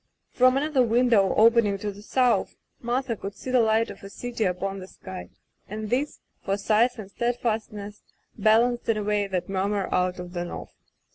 From another window opening to the south, Martha could see the light of a city upon the sky, and this, for size and steadfastness, balanced, in a way, that murmur out of the north.